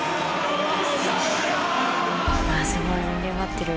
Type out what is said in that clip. すごい盛り上がってる。